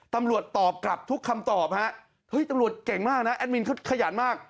ตำรวจตอบกลับทุกคำตอบฮะเฮ้ยตำรวจเก่งมากนะแอดมินเขาขยันมาก